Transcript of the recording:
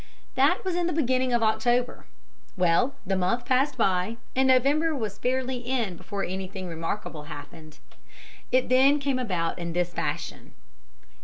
That was in the beginning of October. Well, the month passed by, and November was fairly in before anything remarkable happened. It then came about in this fashion.